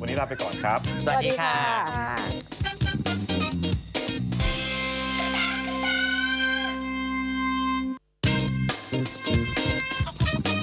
วันนี้ลาไปก่อนครับสวัสดีค่ะสวัสดีค่ะ